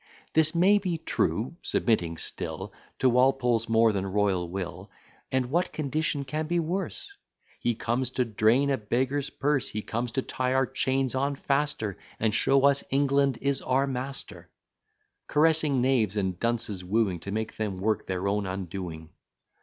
This may be true submitting still To Walpole's more than royal will; And what condition can be worse? He comes to drain a beggar's purse; He comes to tie our chains on faster, And show us England is our master: Caressing knaves, and dunces wooing, To make them work their own undoing.